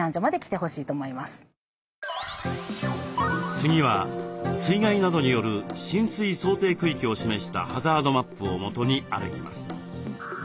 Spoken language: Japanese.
次は水害などによる浸水想定区域を示したハザードマップをもとに歩きます。